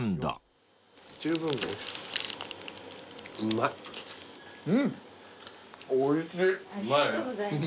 うまいね。